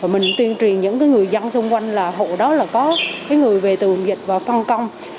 mình tuyên truyền những người dân xung quanh là hộ đó là có người về từ vùng dịch và phân công